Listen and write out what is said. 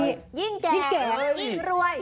ยิ่งแก่ยิ่งรวยยิ่งแก่เลย